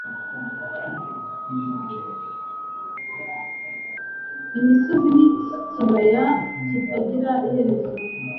Imisozi n'ikibaya kitagira iherezo -